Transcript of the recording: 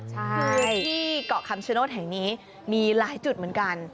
ที่กคำชะโน้ทแห่งนี้มีหลายจุดเหมือนกัน